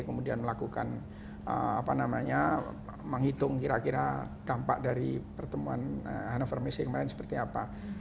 kemudian melakukan apa namanya menghitung kira kira dampak dari pertemuan hannover messi kemarin seperti apa